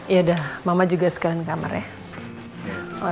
ya udah mama juga sekarang di kamar ya